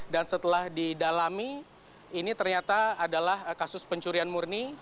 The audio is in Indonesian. dan setelah didalami ini ternyata adalah kasus pencurian murni